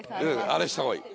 あれはした方がいい。